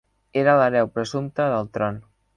Era l'hereu presumpte del tron.